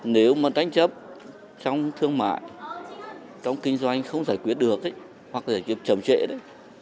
nếu mà tranh chấp trong thương mại trong kinh doanh không giải quyết được hoặc giải quyết trầm trễ